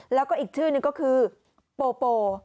แล้วก็อีกชื่อนึงก็คือโปโป